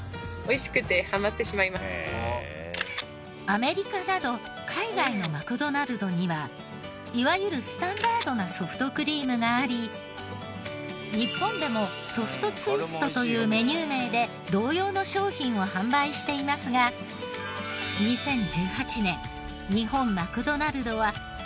アメリカなど海外のマクドナルドにはいわゆるスタンダードなソフトクリームがあり日本でもソフトツイストというメニュー名で同様の商品を販売していますが２０１８年日本マクドナルドは新たな食感のコーンを開発。